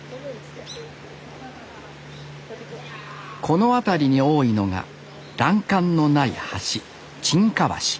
この辺りに多いのが欄干のない橋「沈下橋」。